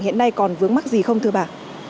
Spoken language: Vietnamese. hiện nay còn vướng mắt gì không thưa bà